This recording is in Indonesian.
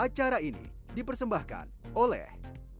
acara ini dipersembahkan oleh